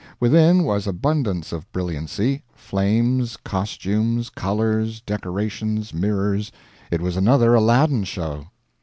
Within was abundance of brilliancy flames, costumes, colors, decorations, mirrors it was another Aladdin show.